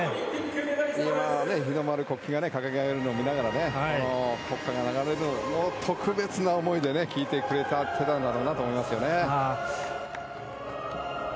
日の丸国旗が掲げられるのを見ながら国歌が流れるのを特別な思いで聴いてくれてたんだろうなと思います。